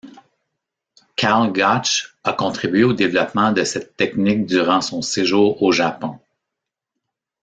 Karl Gotch a contribué au développement de cette technique durant son séjour au Japon.